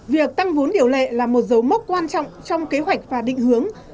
việc tăng vốn điều lệ là một dấu mốc quan trọng trong kế hoạch và định hướng